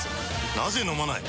なぜ飲まない？